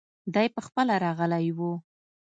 دی پخپله راغلی وو.